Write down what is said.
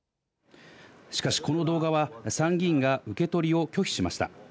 しかしこの動画は、参議院が受け取りを拒否しました。